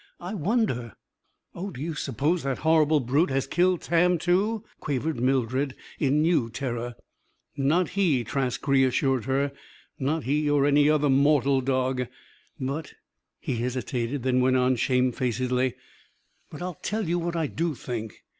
I wonder " "Oh, do you suppose that horrible brute has killed Tam, too?" quavered Mildred, in new terror. "Not he," Trask reassured her. "Not he, or any other mortal dog. But," he hesitated, then went on, shamefacedly, "but I'll tell you what I do think.